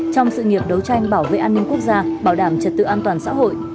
trong sự nghiệp đấu tranh bảo vệ an ninh quốc gia bảo đảm trật tự an toàn xã hội